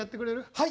はい。